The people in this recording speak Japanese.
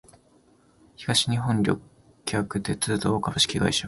東日本旅客鉄道株式会社